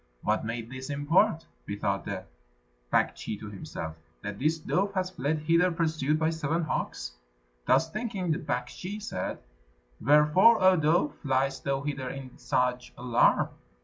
"What may this import?" bethought the Baktschi to himself, "that this dove has fled hither pursued by seven hawks?" Thus thinking, the Baktschi said, "Wherefore, O dove, fliest thou hither in such alarm?"